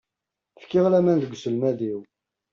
Fkiɣ laman deg uselmad-iw.